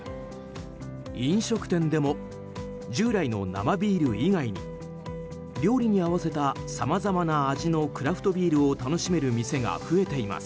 飲食店でも従来の生ビール以外に料理に合わせたさまざまな味のクラフトビールを楽しめる店が増えています。